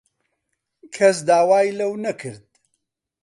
کەس داوای لەو نەکرد.